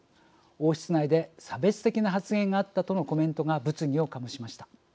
王室内で差別的な発言があったとのコメントが物議を醸しました。